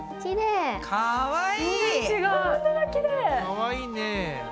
かわいいね。